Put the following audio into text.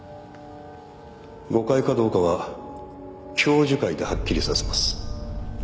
誤解かどうかは教授会ではっきりさせます。